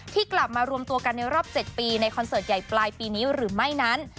กลับมารวมตัวกันในรอบ๗ปีในคอนเสิร์ตใหญ่ปลายปีนี้หรือไม่นั้น